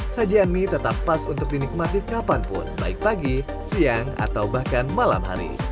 sajian mie tetap pas untuk dinikmati kapanpun baik pagi siang atau bahkan malam hari